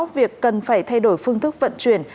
việc cần phải thay đổi phương thức vận chuyển